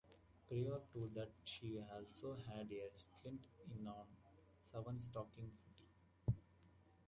Prior to that he also had a stint on Seven's "Talking Footy".